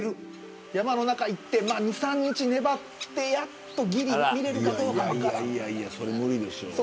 山の中に行って２、３日粘ってやっと、ぎり見れるかどうか。